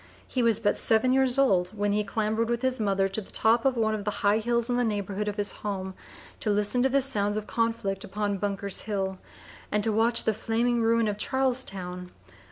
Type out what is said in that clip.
He was but seven years old when he clambered with his mother to the top of one of the high hills in the neighborhood of his home to listen to the sounds of conflict upon Bunker's Hill, and to watch the flaming ruin of Charlestown.